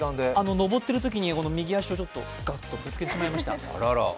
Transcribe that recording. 上ってるときに右足をぶつけてしまいました。